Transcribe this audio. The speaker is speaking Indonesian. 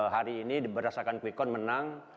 hari ini berdasarkan bekon menang